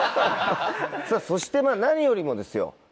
さぁそして何よりもですよ。